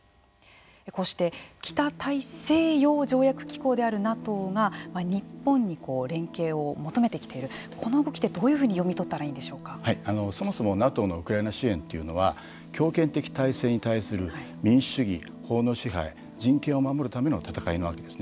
こうして北大西洋条約機構であるＮＡＴＯが日本に連携を求めてきているこの動きってどういうふうにそもそもＮＡＴＯのウクライナ支援というのは強権的体制に対する民主主義、法の支配人権を守るための戦いなわけです。